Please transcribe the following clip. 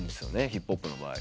ヒップホップの場合。